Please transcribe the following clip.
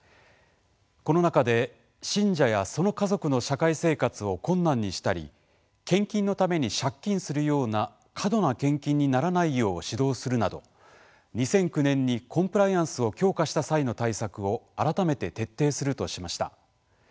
この中で、信者やその家族の社会生活を困難にしたり献金のために借金するような過度な献金にならないよう指導するなど２００９年にコンプライアンスを強化した際の対策を改めて徹底するとしました。